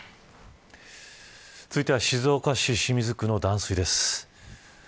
続いては静岡市清水区の断水です。